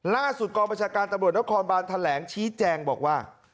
ล่าสุดกรบัชการตำรวจนักความบรรทะแหลงชี้แจงบอกว่า